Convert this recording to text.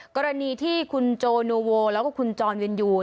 กรณีที่คุณโจนูโวและคุณจอห์นเวียนยู